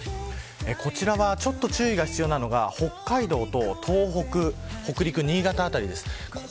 こちらはちょっと注意が必要なのが北海道と東北、北陸新潟辺りです。